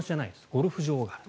ゴルフ場がある。